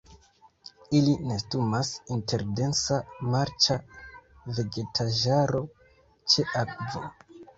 Ili nestumas inter densa marĉa vegetaĵaro ĉe akvo.